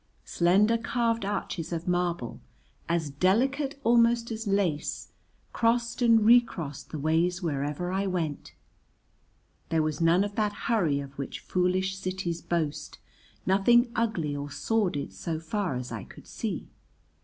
Slender carved arches of marble, as delicate almost as lace, crossed and re crossed the ways wherever I went. There was none of that hurry of which foolish cities boast, nothing ugly or sordid so far as I could see.